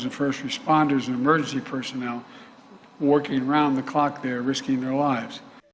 dan personel kecemasan yang bekerja di sekitar jam itu berisiko hidup mereka